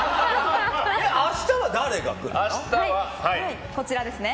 明日は誰が来るの？